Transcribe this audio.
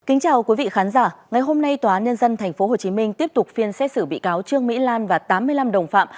kính chào quý vị khán giả ngày hôm nay tòa án nhân dân tp hcm tiếp tục phiên xét xử bị cáo trương mỹ lan và tám mươi năm đồng phạm